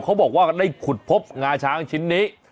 เขาบอกว่าได้ขุดพบงาช้างชิ้นนี้